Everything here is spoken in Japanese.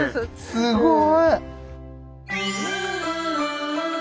すごい！